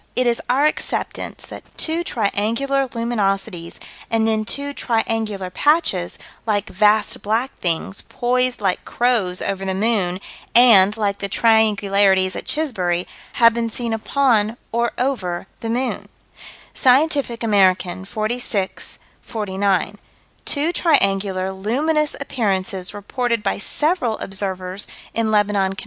It is our acceptance that two triangular luminosities and then two triangular patches, like vast black things, poised like crows over the moon, and, like the triangularities at Chisbury, have been seen upon, or over, the moon: Scientific American, 46 49: Two triangular, luminous appearances reported by several observers in Lebanon, Conn.